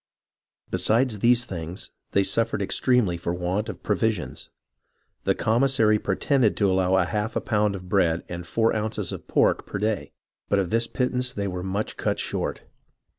"Besides these things, they suffered extremely for want of provisions. The commissary pretended to allow half a pound of bread and four ounces of pork per day ; but of this pittance they were much cut short.